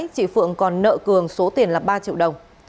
chị phượng còn nợ cường số tiền là ba triệu đồng